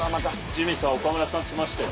ジミーさん岡村さん来ましたよ。